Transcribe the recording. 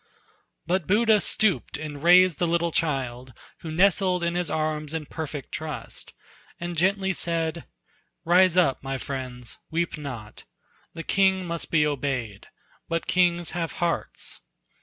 But Buddha stooped and raised the little child, Who nestled in his arms in perfect trust, And gently said: "Rise up, my friends, weep not! The king must be obeyed but kings have hearts.